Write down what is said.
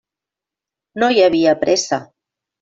No hi havia pressa.